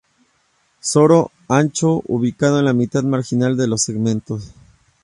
Soro ancho, ubicado en la mitad marginal de los segmentos.